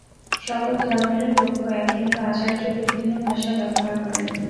সকল ধর্মেরই লক্ষ্য এক, কিন্তু আচার্য বিভিন্ন ভাষা ব্যবহার করেন।